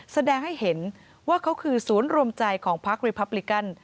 แสดงให้เห็นว่าเขาคือศูนย์รวมใจของพักรีพับลิกัน